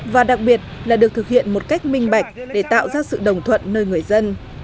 và đặc biệt là được thực hiện một cách minh bạch để tạo ra sự đồng thuận nơi người dân